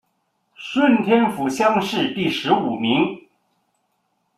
顺天府乡试第十五名。